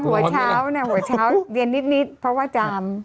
แต่ตอนโหวเช้าเดียนนิดนิดเพราะว่าจาม